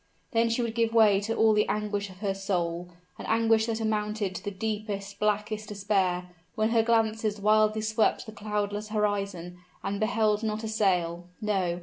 Then she would give way to all the anguish of her soul an anguish that amounted to the deepest, blackest despair, when her glances wildly swept the cloudless horizon, and beheld not a sail no!